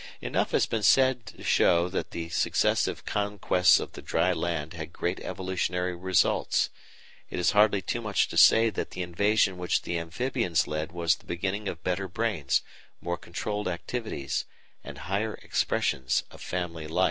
Enough has been said to show that the successive conquests of the dry land had great evolutionary results. It is hardly too much to say that the invasion which the Amphibians led was the beginning of better brains, more controlled activities, and higher expressions of family life.